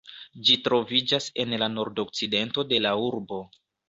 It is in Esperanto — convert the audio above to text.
Ĝi troviĝas en la nordokcidento de la urbo.